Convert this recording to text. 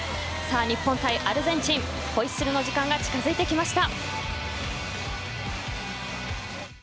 日本対アルゼンチンホイッスルの時間が近づいてきました。